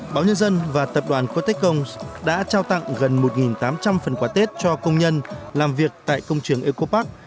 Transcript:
báo nhân dân và tập đoàn cuatech công đã trao tặng gần một tám trăm linh phần quà tết cho công nhân làm việc tại công trường eco park